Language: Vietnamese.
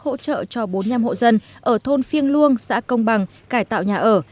hỗ trợ cho bốn mươi năm hộ dân ở thôn phiêng luông xã công bằng cải tạo nhà ở